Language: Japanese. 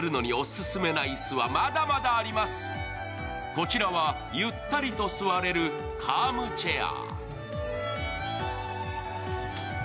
こちらはゆったりと座れるカームチェア。